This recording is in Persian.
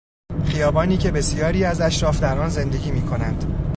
خیابانی که بسیاری از اشراف در آن زندگی میکنند.